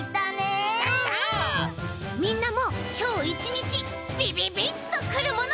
みんなもきょう１にちビビビッとくるもの。